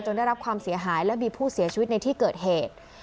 ได้รับความเสียหายและมีผู้เสียชีวิตในที่เกิดเหตุ